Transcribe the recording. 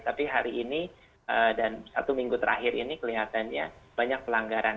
tapi hari ini dan satu minggu terakhir ini kelihatannya banyak pelanggaran